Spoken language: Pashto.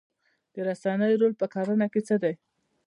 د رسنیو رول په کرنه کې څه دی؟